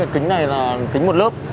kính này là kính một lớp